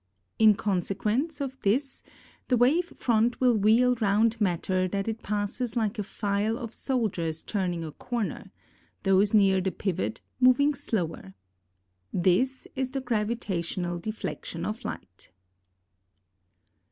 • In consequence of this the wave front will wheel round matter that it passes like a file of soldiers turning a corner, those near the pivot moving slower. This is' the gravitational deflection of light.